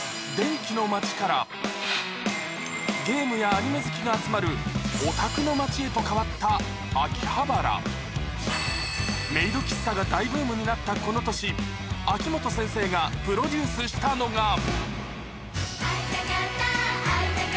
電気の街からゲームやアニメ好きが集まるオタクの街へと変わった秋葉原になったこの年秋元先生がプロデュースしたのが